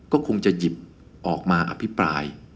ก็คงจะหยิบออกมาอภิปราย